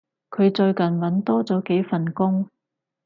佢最近搵多咗幾份工